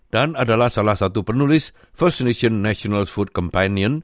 dan adalah salah satu penulis first nation national food companion